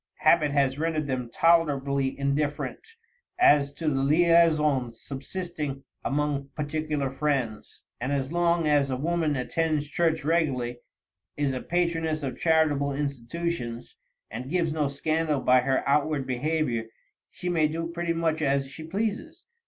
Habit has rendered them tolerably indifferent as to the liaisons subsisting among particular friends, and as long as a woman attends church regularly, is a patroness of charitable institutions, and gives no scandal by her outward behavior, she may do pretty much as she pleases.